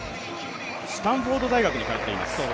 スタンフォード大学に通っています。